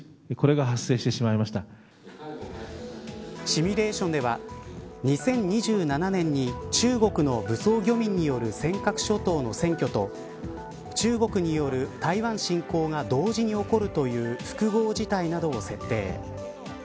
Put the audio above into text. シミュレーションでは２０２７年に中国の武装漁民による尖閣諸島の占拠と中国による台湾侵攻が同時に起こるという複合事態などを設定。